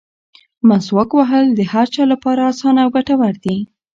مسواک وهل د هر چا لپاره اسانه او ګټور دي.